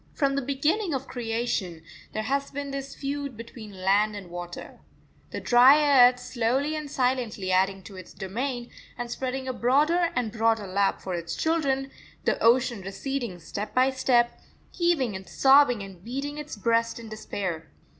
From the beginning of creation there has been this feud between land and water: the dry earth slowly and silently adding to its domain and spreading a broader and broader lap for its children; the ocean receding step by step, heaving and sobbing and beating its breast in despair.